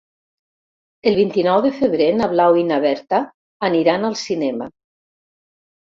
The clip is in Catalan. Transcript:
El vint-i-nou de febrer na Blau i na Berta aniran al cinema.